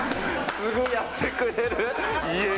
すぐやってくれる。